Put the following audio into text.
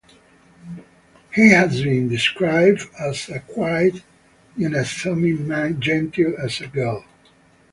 He has been described as a quiet, unassuming man, gentle as a girl.